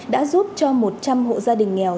đã giúp cho một trăm linh hộ gia đình nghèo